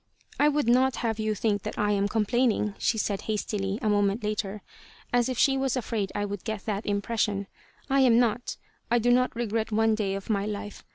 "I would not have you think that I am complaining," she said hastily, a moment later, as if she was afraid I would get that impression. "I am not. I do not regret one day of my life.